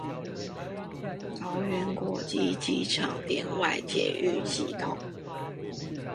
桃園國際機場聯外捷運系統